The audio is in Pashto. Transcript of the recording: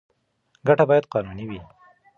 ګټه باید قانوني وي.